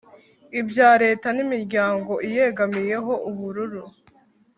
ibya leta n’imiryango iyegamiyeho=ubururu